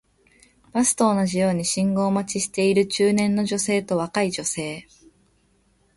バスと同じように信号待ちをしている中年の女性と若い女性